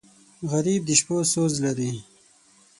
غریب د شپو سوز لري